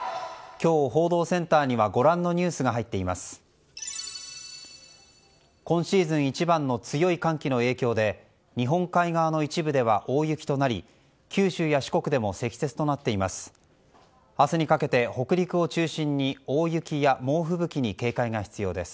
今シーズン一番の強い寒気の影響で日本海側の一部では大雪となり九州や四国でも積雪となっています。